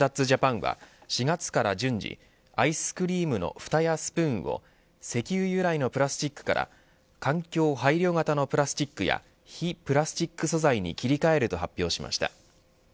ジャパンは４月から順次アイスクリームのふたやスプーンを石油由来のプラスチックから環境配慮型のプラスチックや非プラスチック素材に切り替えると発表しました。